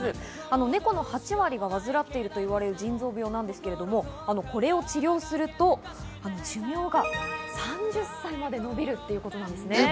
ネコの８割が患っているという腎臓病ですけれど、これを治療すると寿命が３０歳までのびるということです。